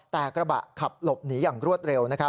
แต่กระบะขับหลบหนีอย่างรวดเร็ว